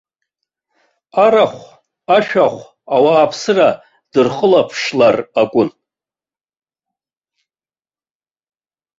Арахә-ашәахә, ауааԥсыра дырхылаԥшлар акәын.